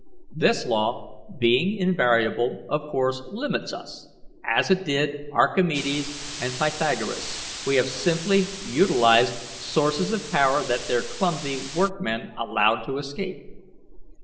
This law, being invariable, of course limits us, as it did Archimedes and Pythagoras; we have simply utilized sources of power that their clumsy workmen allowed to escape.